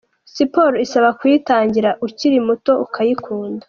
Siporo isaba kuyitangira ukiri muto, ukayikunda.